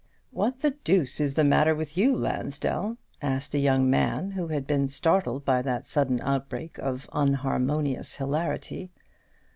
"What the deuce is the matter with you, Lansdell?" asked a young man who had been startled by that sudden outbreak of unharmonious hilarity.